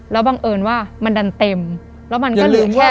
แล้วบังเอิญว่ามันดันเต็มแล้วมันก็ลืมแย่